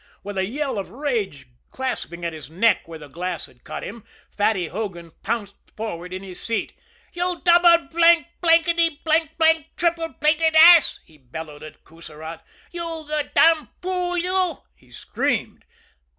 With a yell of rage, clasping at his neck where the glass had cut him, Fatty Hogan bounced forward in his seat. "You double blanked, blankety blanked, triple plated ass!" he bellowed at Coussirat. "You you damned fool, you!" he screamed.